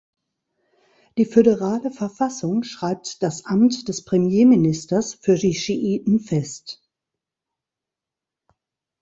Die föderale Verfassung schreibt das Amt des Premierministers für die Schiiten fest.